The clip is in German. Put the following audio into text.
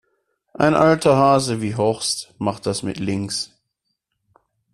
Ein alter Hase wie Horst macht das mit links.